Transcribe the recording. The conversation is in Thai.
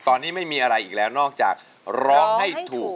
ตอนนี้ไม่มีอะไรอีกแล้วนอกจากร้องให้ถูก